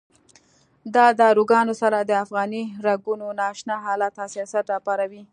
د داروګانو سره د افغاني رګونو نا اشنا حالت حساسیت راپارولی.